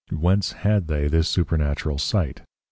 Whence had they this Supernatural Sight?